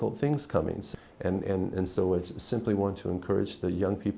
tôi nói rằng các bạn là những người